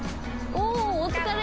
おおお疲れ！